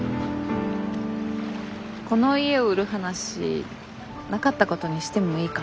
この家を売る話なかったことにしてもいいかな？